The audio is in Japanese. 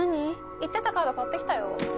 言ってたカード買ってきたよ。